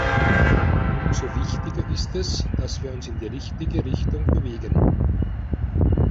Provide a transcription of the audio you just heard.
Umso wichtiger ist es, dass wir uns in die richtige Richtung bewegen.